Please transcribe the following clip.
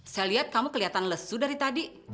saya lihat kamu kelihatan lesu dari tadi